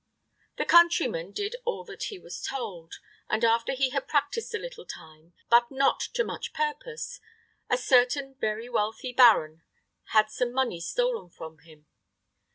The countryman did all that he was told, and after he had practised a little time, but not to much purpose, a certain very wealthy baron had some money stolen from him.